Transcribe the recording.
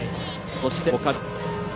そして、岡島。